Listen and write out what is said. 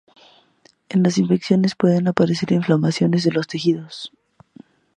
En las infecciones pueden aparecer inflamación de los tejidos.